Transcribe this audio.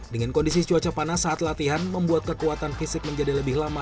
dengan kondisi cuaca panas saat latihan membuat kekuatan fisik menjadi lebih lama